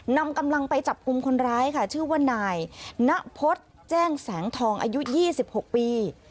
นำกำลังไปจับกลุ่มคนร้ายค่ะชื่อว่านายณพฤษแจ้งแสงทองอายุ๒๖ปี